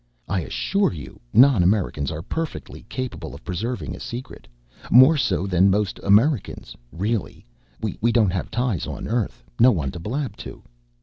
"I assure you, non Americans are perfectly capable of preserving a secret. More so than most Americans, really we don't have ties on Earth. No one to blab to."